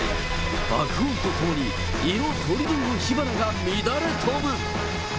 爆音とともに色とりどりの火花が乱れ飛ぶ。